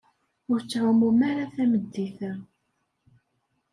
Ur ttɛumun ara tameddit-a.